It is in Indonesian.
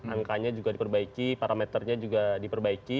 angkanya juga diperbaiki parameternya juga diperbaiki